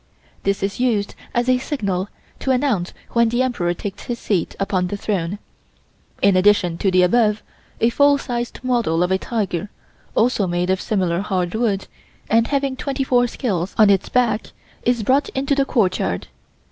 This is used as a signal to announce when the Emperor takes his seat upon the throne. In addition to the above, a full sized model of a tiger, also made of similar hard wood, and having twenty four scales on its back, is brought into the courtyard.